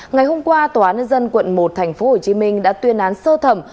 ngày hôm qua tòa án nhân dân quận một tp hcm đã tuyên án sơ thẩm